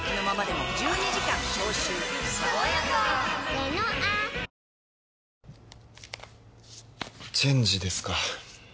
ひざチェンジですか